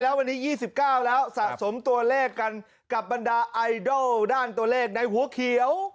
แล้ววันนี้๒๙แล้วสะสมตัวเลขกันกับบรรดาไอดอลด้านตัวเลขในหัวเขียว